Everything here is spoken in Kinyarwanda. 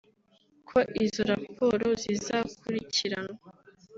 ko izo raporo zizakurikiranwa